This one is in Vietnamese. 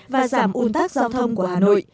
và giảm un tắc giao thông của hà nội